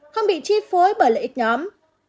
sáu không bị chi phối bởi lợi ích nhóm